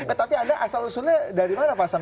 oke tapi anda asal usulnya dari mana pak sam